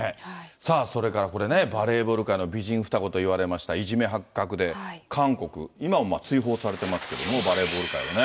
さあ、それからこれね、バレーボール界の美人双子といわれました、いじめ発覚で、韓国、今も追放されてますけど、バレーボール界をね。